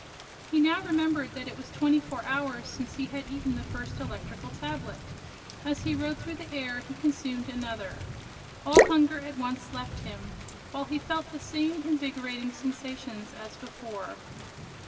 He now remembered that it was twenty four hours since he had eaten the first electrical tablet. As he rode through the air he consumed another. All hunger at once left him, while he felt the same invigorating sensations as before.